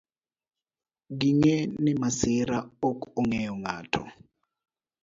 Ging'e ni masira ok ong'eyo ng'ato.